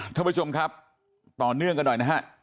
ท่านผู้ชมครับต่อเนื่องกันหน่อยนะฮะ